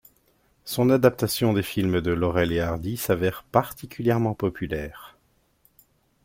Son adaptation des films de Laurel et Hardy s'avère particulièrement populaire.